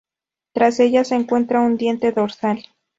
Tras ella se encuentra un diente dorsal.